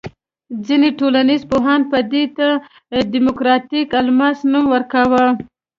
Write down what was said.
ځینې ټولنیز پوهانو به دې ته دیموکراتیک الماس نوم ورکاوه.